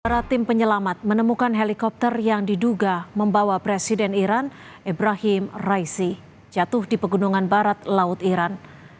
ratim penyelamat menemukan helikopter yang diduga membawa presiden iran ibrahim raisi jatuh di pegunungan barat laut iran